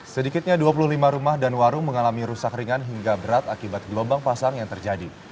sedikitnya dua puluh lima rumah dan warung mengalami rusak ringan hingga berat akibat gelombang pasang yang terjadi